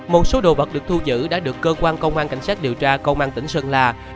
một số đồ vật được thu giữ đã được cơ quan công an cảnh sát điều tra công an tỉnh sơn la